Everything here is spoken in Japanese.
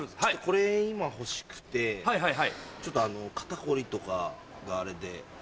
これ今欲しくてちょっと肩凝りとかがあれで。